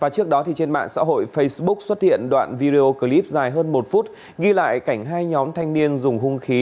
trước đó trên mạng xã hội facebook xuất hiện đoạn video clip dài hơn một phút ghi lại cảnh hai nhóm thanh niên dùng hung khí